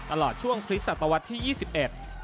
ตลอดช่วงพฤษภะวันต้นสวัสดีครับ